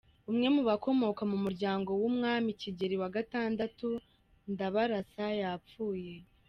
Umwe mu bakomoka mu muryango w’Umwami Kigeli wagatatu Ndabarasa yapfuye